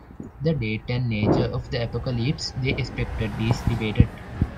The date and nature of the apocalypse they expected is debated.